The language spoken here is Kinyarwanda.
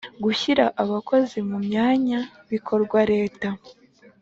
Gushyira Abakozi mu myanya bikorwa leta.